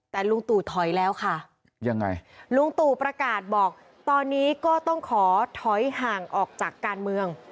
แต่ลุงตู่ถอยแล้วค่ะยังไงลุงตู่ประกาศบอกตอนนี้ก็ต้องขอถอยห่างออกจากการเมือง